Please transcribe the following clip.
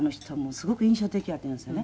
すごく印象的や」って言うんですよね。